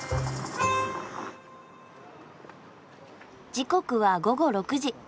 時刻は午後６時。